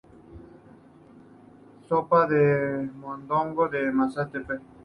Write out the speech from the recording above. Sopa de mondongo de masatepe.